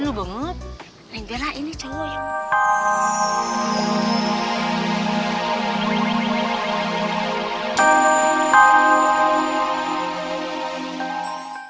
sudah bagus sudah bikin somplak otaknya